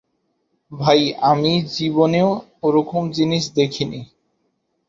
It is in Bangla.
ভাই, আমি জীবনেও ওরকম জিনিস দেখিনি।